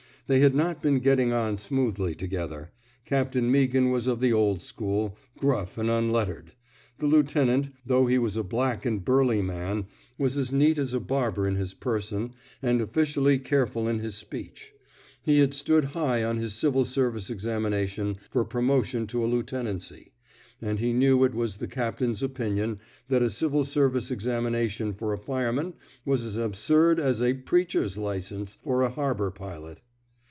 They had not been getting on smoothly together. Captain Meaghan was of the old school, gruff and unlettered. The lieuten ant, though he was a black and burly man, 35 THE SMOKE EATERS was as neat as a barber in his person, and officially careful in his speech. He had stood high on his civil service examination for promotion to a lieutenancy; and he knew it was the captain ^s opinion that a civil service examination for a fireman was as absurd as a preacher's license *' for a harbor pilot.